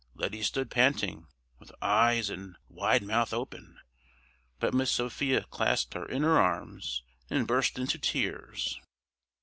Letty stood panting, with eyes and wide mouth open; but Miss Sophia clasped her in her arms and burst into tears.